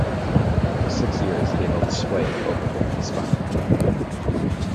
For six years he held sway over Hispania.